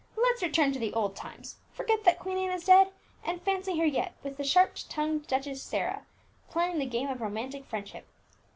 Let's return to the olden times, forget that Queen Anne is dead, and fancy her yet with the sharp tongued Duchess Sarah playing the game of romantic friendship.